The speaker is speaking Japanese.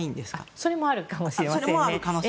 それもあるかもしれません。